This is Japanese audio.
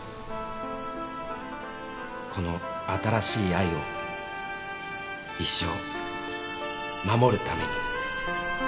「この新しい愛を一生守るために」